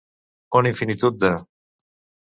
Una infinitud de.